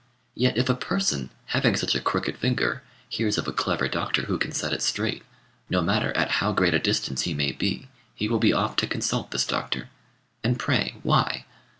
Yet if a person, having such a crooked finger, hears of a clever doctor who can set it straight, no matter at how great a distance he may be, he will be off to consult this doctor. And pray why?